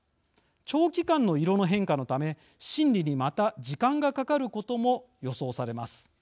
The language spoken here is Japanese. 長期間の色の変化のため審理にまた時間がかかることも予想されます。